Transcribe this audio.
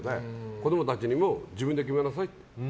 子供たちにも自分で決めなさいって。